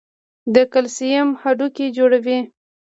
د کلسیم هډوکي جوړوي.